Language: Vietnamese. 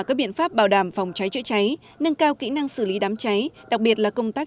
các biện pháp bảo đảm phòng cháy chữa cháy nâng cao kỹ năng xử lý đám cháy đặc biệt là công tác